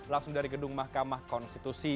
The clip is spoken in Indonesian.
langsung dari gedung mahkamah konstitusi